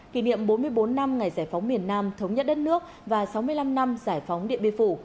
kỷ niệm bốn mươi bốn năm ngày giải phóng miền nam thống nhất đất nước và sáu mươi năm năm giải phóng điện biên phủ